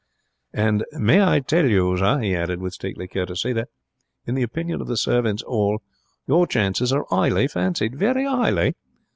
And I may tell you, sir,' he added, with stately courtesy, 'that, in the opinion of the servants' hall, your chances are 'ighly fancied, very 'ighly.